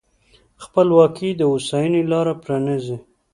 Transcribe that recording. خپلواکي د هوساینې لاره پرانیزي.